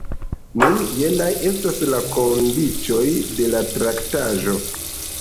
Nun, jenaj estas la kondiĉoj de la traktaĵo.